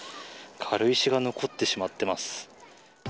軽石が残ってしまってます。